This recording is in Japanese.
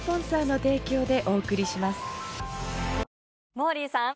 モーリーさん